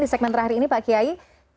di segmen terakhir ini pak kiai